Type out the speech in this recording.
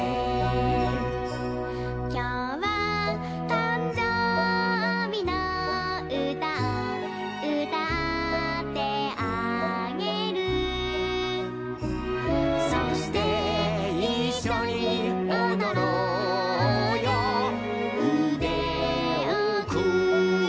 「きょうはたんじょうびのうたをうたってあげる」「そしていっしょにおどろうようでをくんで、、、」